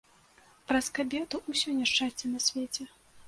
Праз кабету ўсё няшчасце на свеце.